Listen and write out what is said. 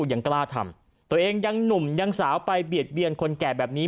ยังกล้าทำตัวเองยังหนุ่มยังสาวไปเบียดเบียนคนแก่แบบนี้